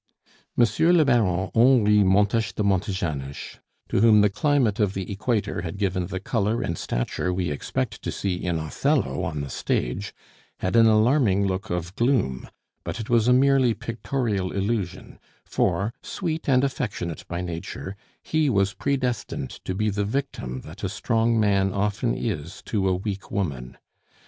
Monsieur le Baron Henri Montes de Montejanos, to whom the climate of the equator had given the color and stature we expect to see in Othello on the stage, had an alarming look of gloom, but it was a merely pictorial illusion; for, sweet and affectionate by nature, he was predestined to be the victim that a strong man often is to a weak woman.